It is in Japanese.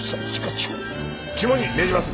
肝に銘じます！